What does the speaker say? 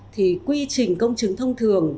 thì quy trình công chứng thông thường